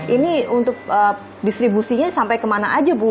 ini untuk distribusinya sampai kemana aja bu